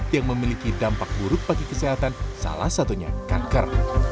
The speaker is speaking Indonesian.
yang memiliki dampak buruk bagi kesehatan salah satunya kanker